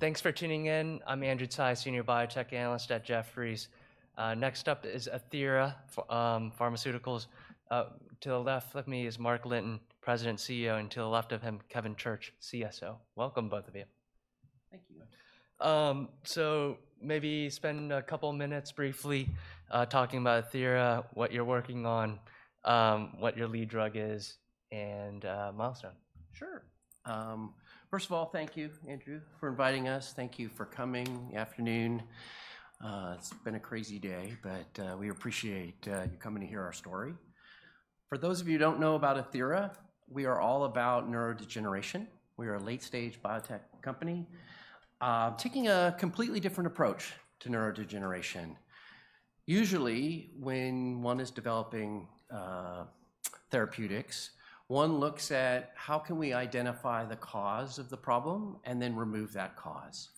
Thanks for tuning in. I'm Andrew Tsai, Senior Biotech Analyst at Jefferies. Next up is Athira Pharmaceuticals. To the left of me is Mark Litton, President, CEO, and to the left of him, Kevin Church, CSO. Welcome, both of you. Thank you. Maybe spend a couple minutes briefly talking about Athira, what you're working on, what your lead drug is, and milestone. Sure. First of all, thank you, Andrew, for inviting us. Thank you for coming this afternoon. It's been a crazy day, but we appreciate you coming to hear our story. For those of you who don't know about Athira, we are all about neurodegeneration. We are a late-stage biotech company taking a completely different approach to neurodegeneration. Usually, when one is developing therapeutics, one looks at how can we identify the cause of the problem and then remove that cause?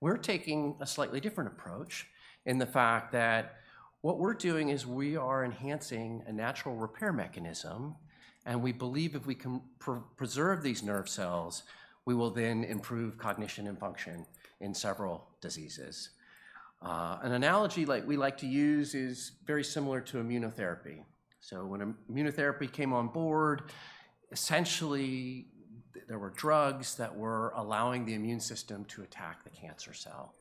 We're taking a slightly different approach in the fact that what we're doing is we are enhancing a natural repair mechanism, and we believe if we can pre-preserve these nerve cells, we will then improve cognition and function in several diseases. An analogy like we like to use is very similar to immunotherapy. So when immunotherapy came on board, essentially, there were drugs that were allowing the immune system to attack the cancer cell,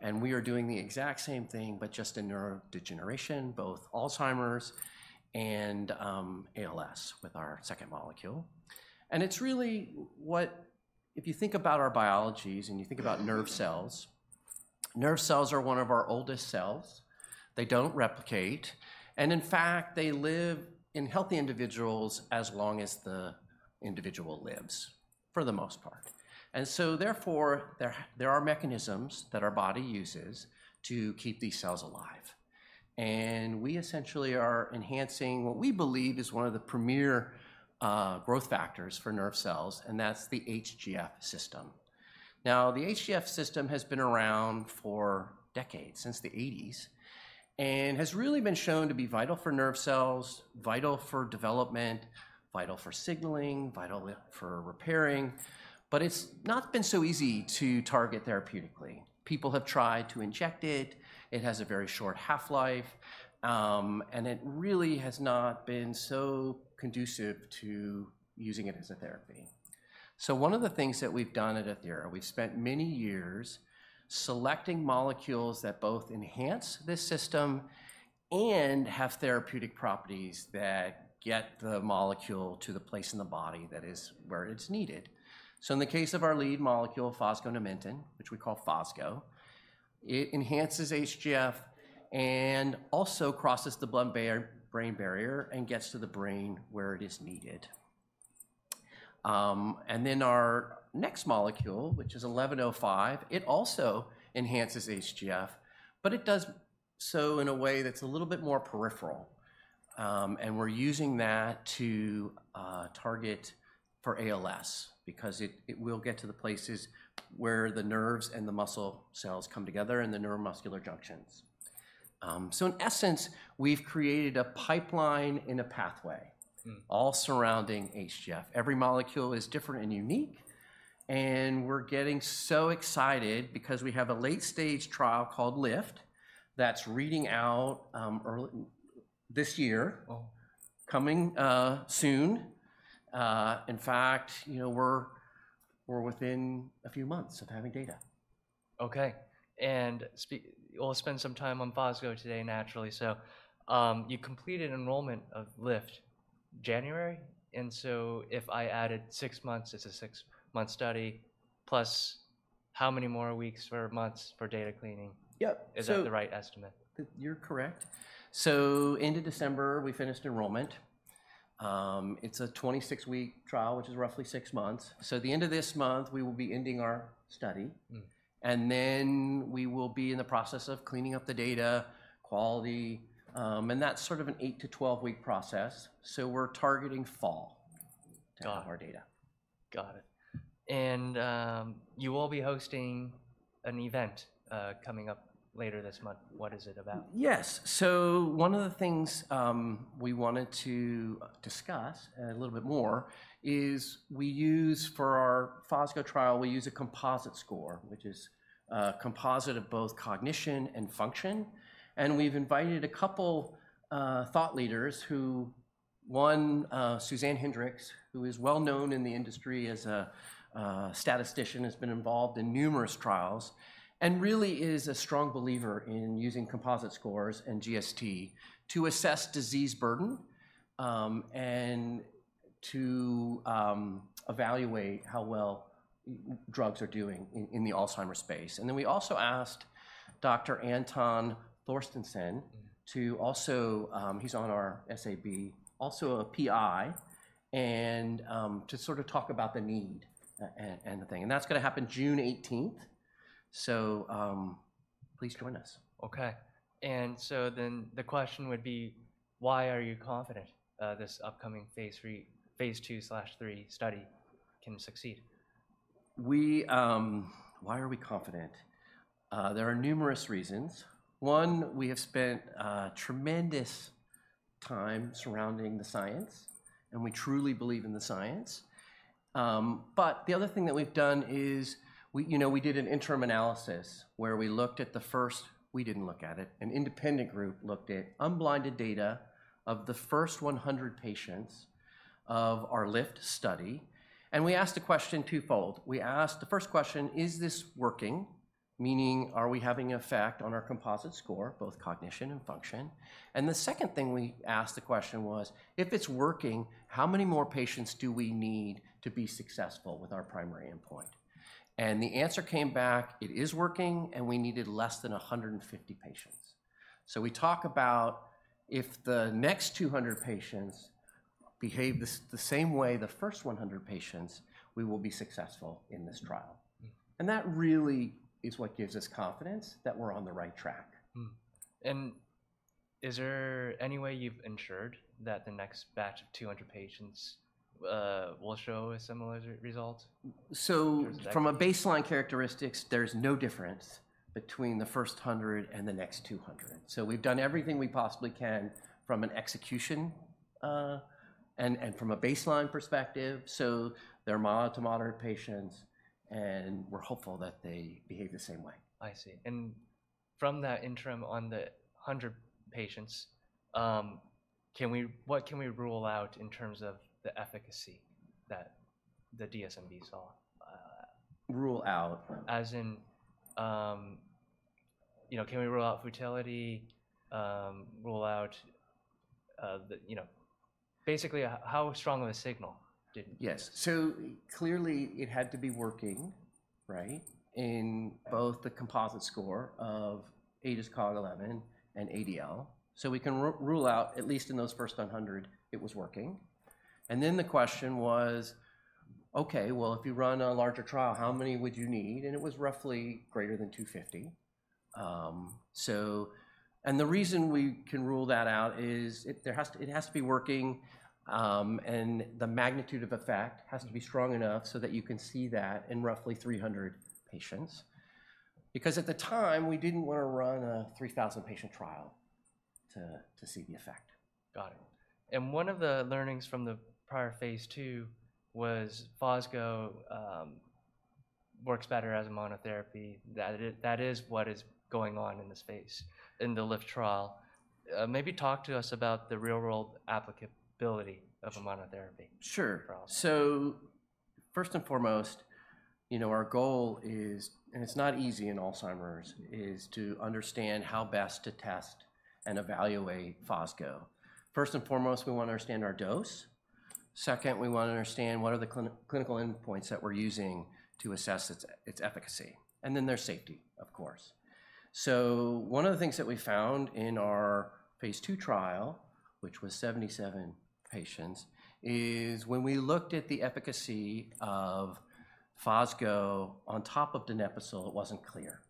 and we are doing the exact same thing, but just in neurodegeneration, both Alzheimer's and ALS, with our second molecule. And it's really what. If you think about our biology and you think about nerve cells, nerve cells are one of our oldest cells. They don't replicate, and in fact, they live in healthy individuals as long as the individual lives, for the most part. And so therefore, there are mechanisms that our body uses to keep these cells alive, and we essentially are enhancing what we believe is one of the premier growth factors for nerve cells, and that's the HGF system. Now, the HGF system has been around for decades, since the eighties, and has really been shown to be vital for nerve cells, vital for development, vital for signaling, vital for repairing, but it's not been so easy to target therapeutically. People have tried to inject it. It has a very short half-life, and it really has not been so conducive to using it as a therapy. So one of the things that we've done at Athira, we've spent many years selecting molecules that both enhance this system and have therapeutic properties that get the molecule to the place in the body that is where it's needed. So in the case of our lead molecule, fosgonimeton, which we call Fosgo, it enhances HGF and also crosses the blood-brain barrier and gets to the brain where it is needed. Then our next molecule, which is ATH-1105, it also enhances HGF, but it does so in a way that's a little bit more peripheral. We're using that to target for ALS because it will get to the places where the nerves and the muscle cells come together in the neuromuscular junctions. In essence, we've created a pipeline and a pathway- Hmm All surrounding HGF. Every molecule is different and unique, and we're getting so excited because we have a late-stage trial called LIFT that's reading out early this year. Wow Coming soon. In fact, you know, we're within a few months of having data. Okay, and we'll spend some time on Fosgo today, naturally. So, you completed enrollment of LIFT January, and so if I added six months, it's a six-month study, plus how many more weeks or months for data cleaning? Yep. So. Is that the right estimate? You're correct. End of December, we finished enrollment. It's a 26-week trial, which is roughly six months. At the end of this month, we will be ending our study. Hmm. And then we will be in the process of cleaning up the data, quality, and that's sort of an 8-12-week process, so we're targeting fall- Got it To have our data. Got it. And, you will be hosting an event, coming up later this month. What is it about? Yes. So one of the things we wanted to discuss a little bit more is we use, for our Fosgo trial, we use a composite score, which is a composite of both cognition and function, and we've invited a couple thought leaders who, one, Suzanne Hendrix, who is well-known in the industry as a statistician, has been involved in numerous trials and really is a strong believer in using composite scores and GST to assess disease burden, and to evaluate how well drugs are doing in the Alzheimer's space. And then we also asked Dr. Anton Porsteinsson. Mm To also, he's on our SAB, also a PI, and to sort of talk about the need and the thing, and that's gonna happen June eighteenth, so please join us. Okay. The question would be, why are you confident this upcoming phase III, phase II/III study can succeed? Why are we confident? There are numerous reasons. One, we have spent a tremendous time surrounding the science, and we truly believe in the science. But the other thing that we've done is we, you know, we did an interim analysis, where we looked at the first. We didn't look at it. An independent group looked at unblinded data of the first 100 patients of our LIFT study, and we asked a question twofold. We asked, the first question, "Is this working?" Meaning, are we having an effect on our composite score, both cognition and function? And the second thing we asked the question was, "If it's working, how many more patients do we need to be successful with our primary endpoint?" And the answer came back, it is working, and we needed less than 150 patients. So we talk about if the next 200 patients behave the same way the first 100 patients, we will be successful in this trial. Mm. That really is what gives us confidence that we're on the right track. Is there any way you've ensured that the next batch of 200 patients will show a similar result? So- In terms of- From a baseline characteristics, there's no difference between the first 100 and the next 200. So we've done everything we possibly can from an execution, and from a baseline perspective, so they're mild to moderate patients, and we're hopeful that they behave the same way. I see. And from that interim on the 100 patients, what can we rule out in terms of the efficacy that the DSMB saw? Rule out? As in, you know, can we rule out futility, rule out, the, you know. Basically, how strong of a signal did. Yes. So clearly, it had to be working, right, in both the composite score of ADAS-Cog11 and ADL. So we can rule out, at least in those first 100, it was working. And then the question was, okay, well, if you run a larger trial, how many would you need? And it was roughly greater than 250. So, and the reason we can rule that out is it, there has to, it has to be working, and the magnitude of effect has to be strong enough so that you can see that in roughly 300 patients. Because at the time, we didn't wanna run a 3,000 patient trial to see the effect. Got it. And one of the learnings from the prior phase II was Fosgo works better as a monotherapy. That is what is going on in the space, in the LIFT trial. Maybe talk to us about the real-world applicability of a monotherapy. Sure... trial. So first and foremost, you know, our goal is, and it's not easy in Alzheimer's, is to understand how best to test and evaluate Fosgo. First and foremost, we wanna understand our dose. Second, we wanna understand what are the clinical endpoints that we're using to assess its, its efficacy, and then there's safety, of course. So one of the things that we found in our phase II trial, which was 77 patients, is when we looked at the efficacy of Fosgo on top of donepezil, it wasn't clear.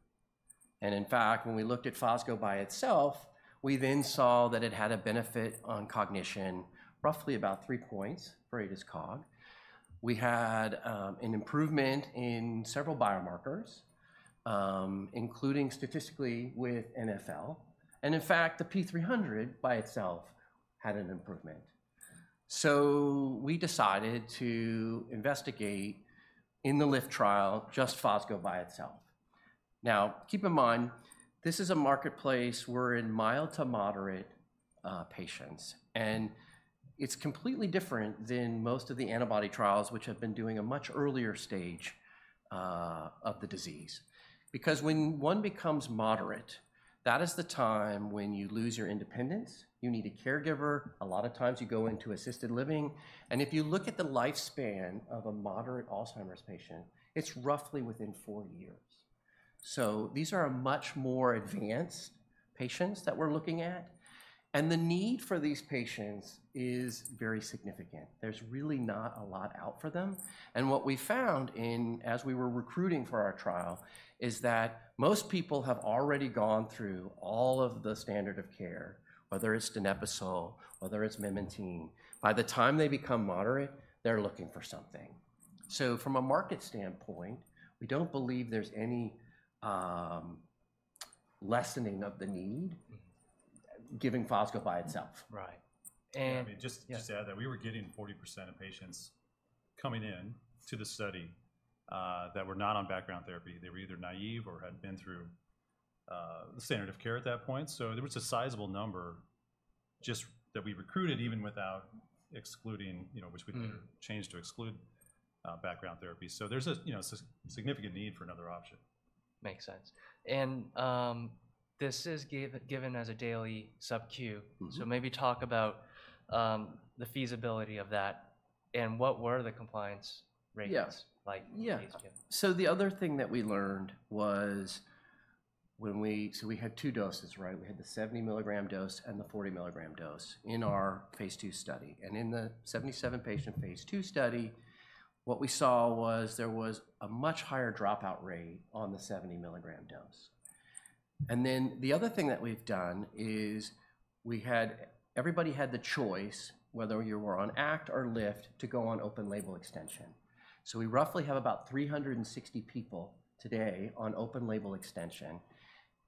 And in fact, when we looked at Fosgo by itself, we then saw that it had a benefit on cognition, roughly about three points for ADAS-Cog. We had an improvement in several biomarkers, including statistically with NfL, and in fact, the P300 by itself had an improvement. We decided to investigate, in the LIFT trial, just Fosgo by itself. Now, keep in mind, this is a marketplace we're in mild to moderate patients, and it's completely different than most of the antibody trials, which have been doing a much earlier stage of the disease. Because when one becomes moderate, that is the time when you lose your independence. You need a caregiver. A lot of times you go into assisted living, and if you look at the lifespan of a moderate Alzheimer's patient, it's roughly within four years. These are a much more advanced patients that we're looking at, and the need for these patients is very significant. There's really not a lot out for them, and what we found in, as we were recruiting for our trial, is that most people have already gone through all of the standard of care, whether it's donepezil, whether it's memantine. By the time they become moderate, they're looking for something. So from a market standpoint, we don't believe there's any lessening of the need- Mm Giving Fosgo by itself. Right. And- Let me just- Yeah... add that we were getting 40% of patients coming in to the study that were not on background therapy. They were either naive or had been through the standard of care at that point. So there was a sizable number just that we recruited, even without excluding, you know- Mm Which we later changed to exclude background therapy. So there's a, you know, significant need for another option. Makes sense. This is given as a daily sub-Q. Mm-hmm. So maybe talk about the feasibility of that, and what were the compliance rates? Yeah... like phase II? Yeah. So the other thing that we learned was we had two doses, right? We had the 70-milligram dose and the 40-milligram dose in our phase II study. And in the 77-patient phase II study, what we saw was there was a much higher dropout rate on the 70-milligram dose. And then the other thing that we've done is everybody had the choice, whether you were on ACT or LIFT, to go on open-label extension. So we roughly have about 360 people today on open-label extension,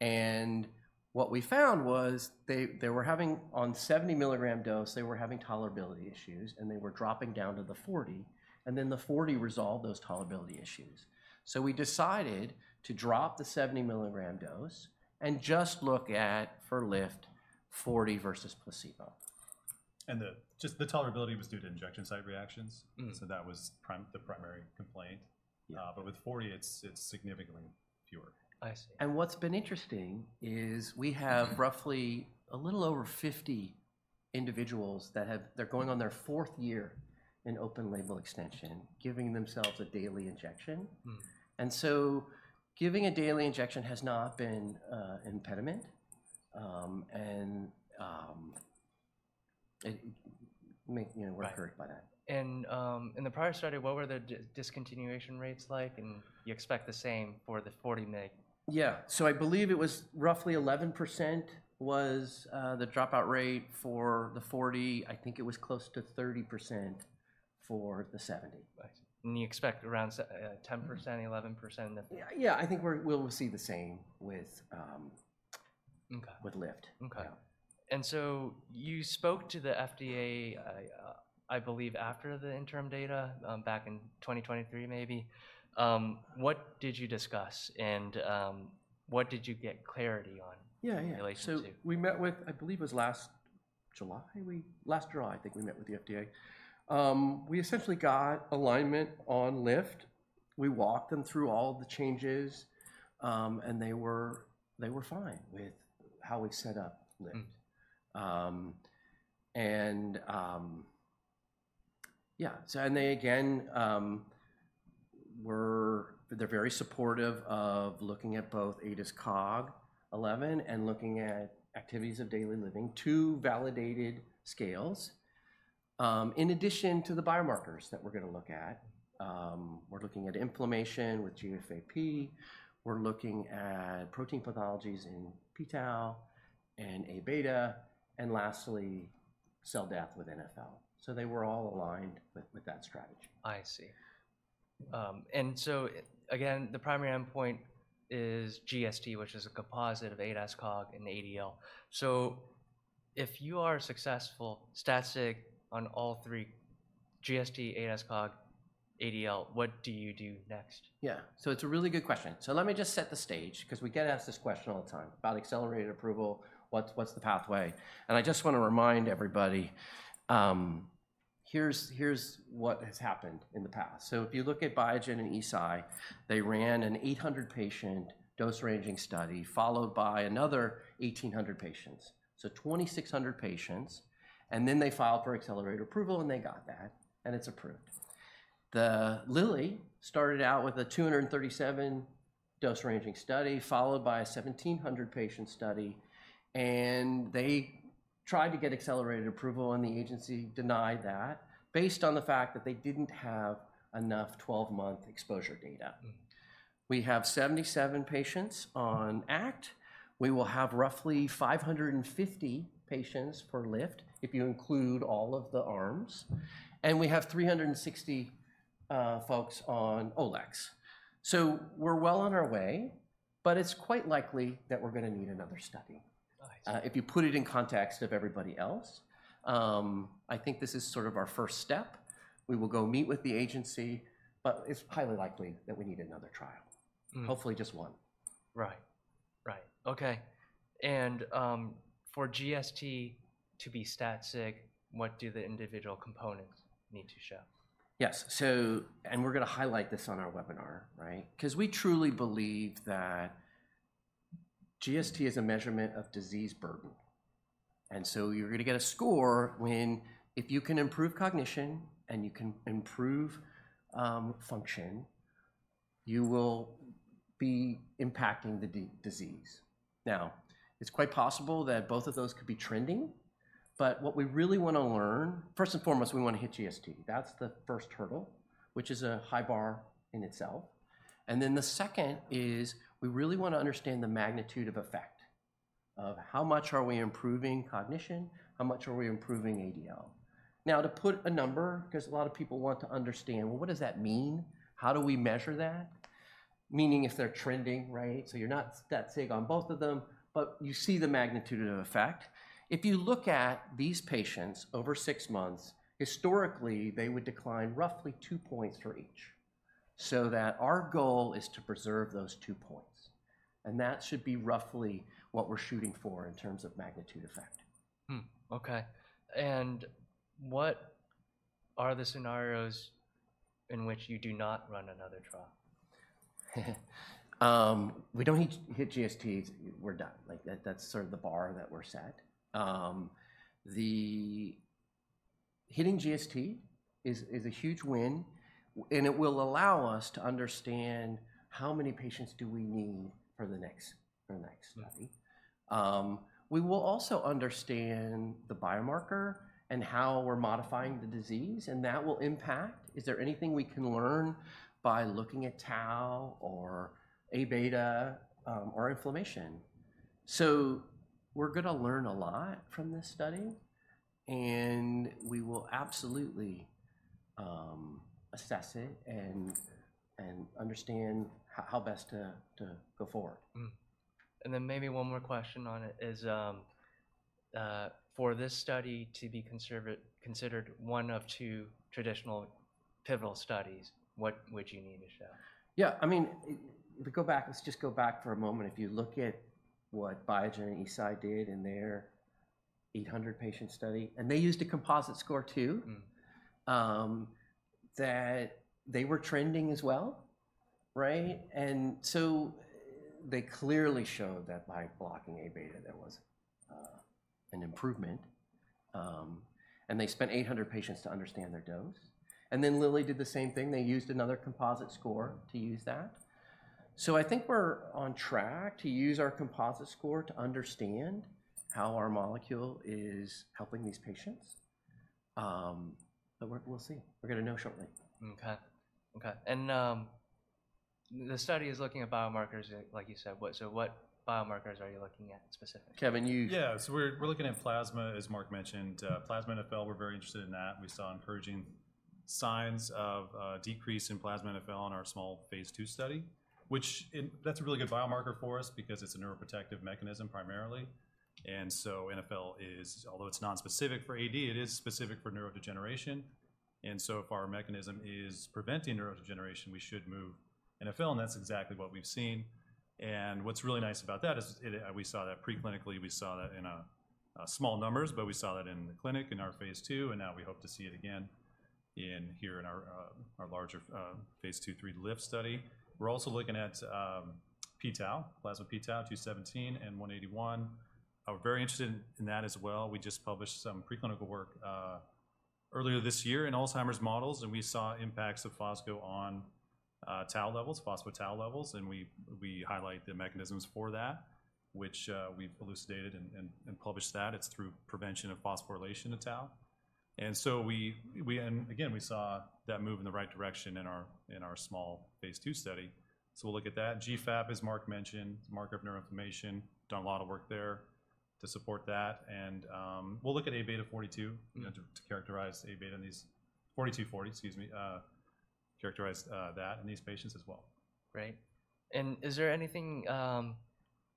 and what we found was they were having, on 70-milligram dose, they were having tolerability issues, and they were dropping down to the 40, and then the 40 resolved those tolerability issues. So we decided to drop the 70-milligram dose and just look at, for LIFT, 40 versus placebo. And just the tolerability was due to injection site reactions? Mm. That was the primary complaint. Yeah. But with 40, it's significantly fewer. I see. And what's been interesting is we have roughly a little over 50 individuals that they're going on their fourth year in open-label extension, giving themselves a daily injection. Mm. Giving a daily injection has not been an impediment. It may, you know- Right... we're heartened by that. In the prior study, what were the discontinuation rates like? And you expect the same for the 40 mg. Yeah. So I believe it was roughly 11% was the dropout rate for the 40. I think it was close to 30% for the 70. I see. And you expect around 10%. Mm... 11% in the- Yeah, yeah, I think we'll see the same with, Okay... with LIFT. Okay. Yeah. And so you spoke to the FDA, I believe, after the interim data, back in 2023, maybe. What did you discuss, and what did you get clarity on- Yeah, yeah... in relation to? So we met with the FDA last July, I believe. Last July, I think we met with the FDA. We essentially got alignment on LIFT. We walked them through all the changes, and they were fine with how we set up LIFT. Mm. They again, they're very supportive of looking at both ADAS-Cog11 and looking at activities of daily living, two validated scales, in addition to the biomarkers that we're gonna look at. We're looking at inflammation with GFAP. We're looking at protein pathologies in p-tau and A-beta, and lastly, cell death with NfL. So they were all aligned with that strategy. I see. And so, again, the primary endpoint is GST, which is a composite of ADAS-Cog and ADL. So if you are successful, stat sig on all three, GST, ADAS-Cog, ADL, what do you do next? Yeah, so it's a really good question. So let me just set the stage 'cause we get asked this question all the time about accelerated approval. What's the pathway? And I just wanna remind everybody, here's what has happened in the past. So if you look at Biogen and Eisai, they ran an 800-patient dose-ranging study, followed by another 1,800 patients, so 2,600 patients, and then they filed for accelerated approval, and they got that, and it's approved. Lilly started out with a 237 dose-ranging study, followed by a 1,700-patient study, and they tried to get accelerated approval, and the agency denied that, based on the fact that they didn't have enough 12-month exposure data. Mm. We have 77 patients on ACT. We will have roughly 550 patients per LIFT if you include all of the arms, and we have 360 folks on OLEX. So we're well on our way, but it's quite likely that we're gonna need another study. I see. If you put it in context of everybody else, I think this is sort of our first step. We will go meet with the agency, but it's highly likely that we need another trial. Mm. Hopefully, just one. Right. Right. Okay, and, for GST to be stat sig, what do the individual components need to show? Yes, so we're gonna highlight this on our webinar, right? 'Cause we truly believe that GST is a measurement of disease burden, and so you're gonna get a score when, if you can improve cognition, and you can improve function, you will be impacting the disease. Now, it's quite possible that both of those could be trending, but what we really wanna learn. First and foremost, we wanna hit GST. That's the first hurdle, which is a high bar in itself. And then the second is, we really wanna understand the magnitude of effect, of how much are we improving cognition, how much are we improving ADL? Now, to put a number, 'cause a lot of people want to understand, well, what does that mean? How do we measure that? Meaning if they're trending, right, so you're not stat sig on both of them, but you see the magnitude of effect. If you look at these patients over six months, historically, they would decline roughly two points for each. So that our goal is to preserve those two points, and that should be roughly what we're shooting for in terms of magnitude effect. Hmm, okay. And what are the scenarios in which you do not run another trial? We don't need to hit GST, we're done. Like, that's sort of the bar that we're set. Hitting GST is a huge win, and it will allow us to understand how many patients do we need for the next, for the next study. Right. We will also understand the biomarker and how we're modifying the disease, and that will impact, is there anything we can learn by looking at tau or A-beta, or inflammation? So we're gonna learn a lot from this study, and we will absolutely assess it and understand how best to go forward. Mm-hmm. And then maybe one more question on it is, for this study to be conservatively considered one of two traditional pivotal studies, what would you need to show? Yeah, I mean, to go back, let's just go back for a moment. If you look at what Biogen and Eisai did in their 800 patient study, and they used a composite score, too. Mm-hmm. That they were trending as well, right? And so they clearly showed that by blocking A-beta, there was an improvement. and they spent 800 patients to understand their dose, and then Lilly did the same thing. They used another composite score to use that. So I think we're on track to use our composite score to understand how our molecule is helping these patients. but we're, we'll see. We're gonna know shortly. Okay. Okay, the study is looking at biomarkers, like you said. What- so what biomarkers are you looking at specifically? Kevin, you- Yeah. So we're looking at plasma, as Mark mentioned. Plasma NfL, we're very interested in that. We saw encouraging signs of decrease in plasma NfL in our small phase II study. That's a really good biomarker for us because it's a neuroprotective mechanism primarily. And so NfL is, although it's nonspecific for AD, it is specific for neurodegeneration. And so if our mechanism is preventing neurodegeneration, we should move NfL, and that's exactly what we've seen. And what's really nice about that is, we saw that preclinically, we saw that in small numbers, but we saw that in the clinic, in our phase II, and now we hope to see it again in our larger phase II/III LIFT study. We're also looking at p-tau, plasma p-tau217 and p-tau181. We're very interested in that as well. We just published some preclinical work earlier this year in Alzheimer's models, and we saw impacts of Fosgo on tau levels, phospho-tau levels, and we highlight the mechanisms for that, which we've elucidated and published that. It's through prevention of phosphorylation of tau. And so we, and again, we saw that move in the right direction in our small phase II study, so we'll look at that. GFAP, as Mark mentioned, it's a marker of neuroinflammation. Done a lot of work there to support that, and we'll look at A-beta 42- Mm-hmm... you know, to, to characterize A-beta in these... 42/40, excuse me, characterize, that in these patients as well. Great. Is there anything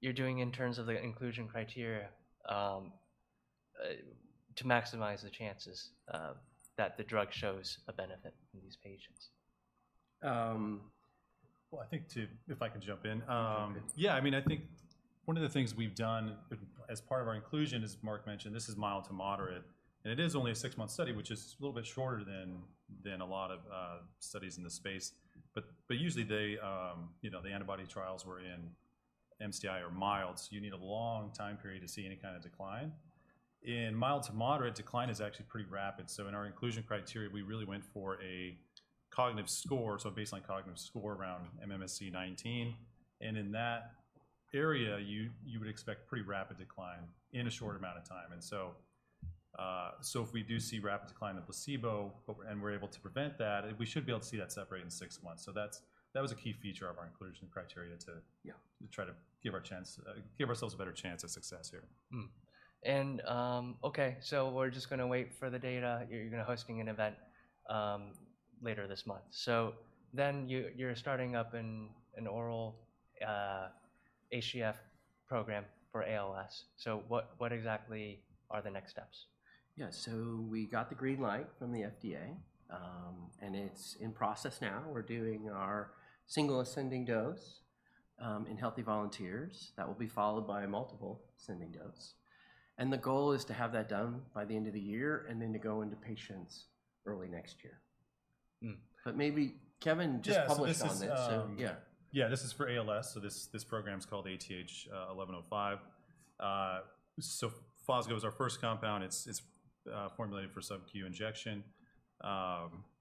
you're doing in terms of the inclusion criteria to maximize the chances that the drug shows a benefit in these patients? Well, I think, if I could jump in. Please do. Yeah, I mean, I think one of the things we've done, as part of our inclusion, as Mark mentioned, this is mild to moderate, and it is only a 6-month study, which is a little bit shorter than a lot of studies in the space. But usually they, you know, the antibody trials were in MCI or mild, so you need a long time period to see any kind of decline. In mild to moderate, decline is actually pretty rapid, so in our inclusion criteria, we really went for a cognitive score, so a baseline cognitive score around MMSE 19. And in that area, you would expect pretty rapid decline in a short amount of time. And so, if we do see rapid decline of placebo over... We're able to prevent that, we should be able to see that separate in six months. That was a key feature of our inclusion criteria, to- Yeah... to try to give ourselves a better chance of success here. Mm-hmm. And, okay, so we're just gonna wait for the data. You're hosting an event later this month. So then you're starting up an oral HGF program for ALS. So what exactly are the next steps? Yeah. So we got the green light from the FDA, and it's in process now. We're doing our single ascending dose in healthy volunteers. That will be followed by a multiple ascending dose, and the goal is to have that done by the end of the year and then to go into patients early next year. Mm-hmm. Maybe, Kevin just published on this- Yeah, so this is... Yeah. Yeah, this is for ALS. So this program's called ATH-1105. So Fosgo is our first compound. It's formulated for sub-Q injection.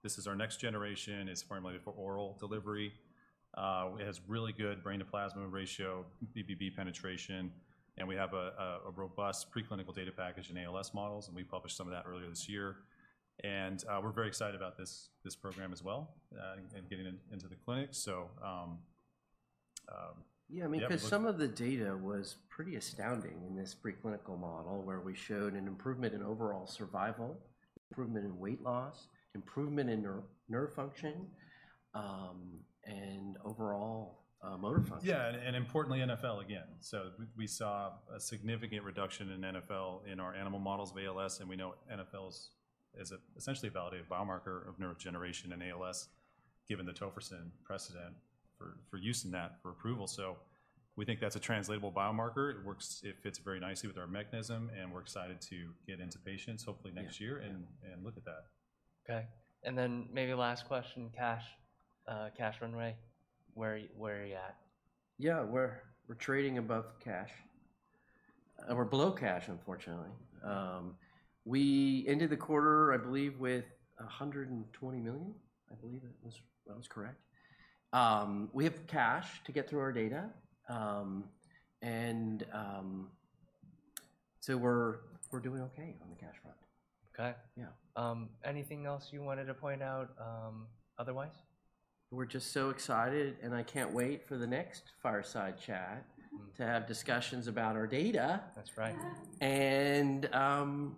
This is our next generation. It's formulated for oral delivery. It has really good brain to plasma ratio, BBB penetration, and we have a robust preclinical data package in ALS models, and we published some of that earlier this year. And, we're very excited about this program as well, and getting it into the clinic. So. Yeah, I mean- Yeah, because- 'Cause some of the data was pretty astounding in this preclinical model, where we showed an improvement in overall survival, improvement in weight loss, improvement in nerve function, and overall, motor function. Yeah, and importantly, NfL again. So we saw a significant reduction in NfL in our animal models of ALS, and we know NfL is essentially a validated biomarker of neurodegeneration in ALS, given the Tofersen precedent for using that for approval. So we think that's a translatable biomarker. It works, it fits very nicely with our mechanism, and we're excited to get into patients hopefully next year. Yeah And, and look at that. Okay, and then maybe last question, cash, cash runway. Where are you, where are you at? Yeah, we're trading above cash. We're below cash, unfortunately. We ended the quarter, I believe, with $120 million. I believe that was correct. We have cash to get through our data. So we're doing okay on the cash front. Okay. Yeah. Anything else you wanted to point out, otherwise? We're just so excited, and I can't wait for the next Fireside Chat- Mm-hmm To have discussions about our data. That's right. Yeah! And, um-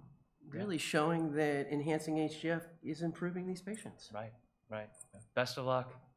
Yeah... really showing that enhancing HGF is improving these patients. Right. Right. Yeah. Best of luck.